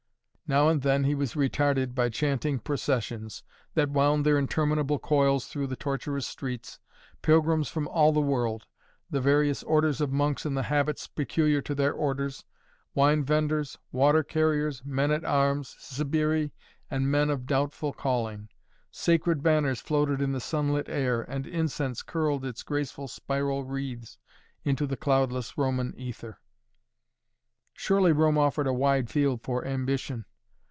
Now and then he was retarded by chanting processions, that wound their interminable coils through the tortuous streets, pilgrims from all the world, the various orders of monks in the habits peculiar to their orders, wine venders, water carriers, men at arms, sbirri, and men of doubtful calling. Sacred banners floated in the sunlit air and incense curled its graceful spiral wreaths into the cloudless Roman ether. Surely Rome offered a wide field for ambition.